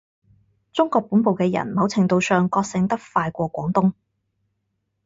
中國本部嘅人某程度上覺醒得快過廣東